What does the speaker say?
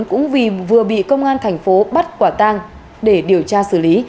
cũng vì vừa bị công an thành phố bắt quả tang để điều tra xử lý